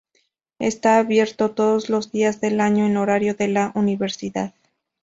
Está abierto todos los días del año en horario de la universidad.